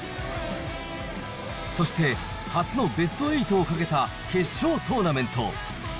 そして初のベスト８をかけた決勝トーナメント。